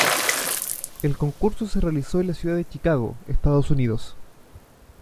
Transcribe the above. El concurso se realizó en la ciudad de Chicago, Estados Unidos.